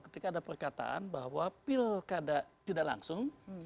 ketika ada perkataan bahwa pilkada tidak langsung